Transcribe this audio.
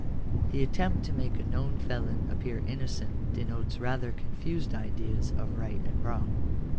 The attempt to make a known felon appear innocent denotes rather confused ideas of right and wrong.